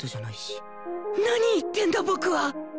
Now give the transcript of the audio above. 何言ってんだ僕は！